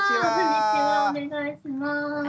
お願いします。